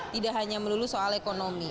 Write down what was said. tidak hanya melulu soal ekonomi